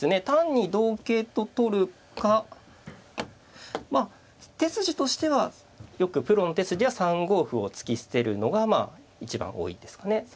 単に同桂と取るかまあ手筋としてはよくプロの手筋は３五歩を突き捨てるのが一番多いですかね。